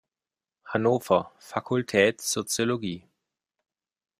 Hannover, Fakultät Soziologie.